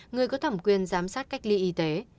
người có thẩm quyền giám sát cách ly y tế